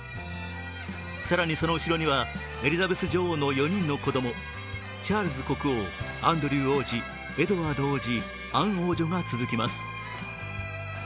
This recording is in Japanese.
更に、その後ろにはエリザベス女王の４人の子供、チャールズ国王、アンドリュー王子エドワード王子、アン王女が続きます。